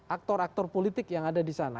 aktor aktor politik yang ada di sana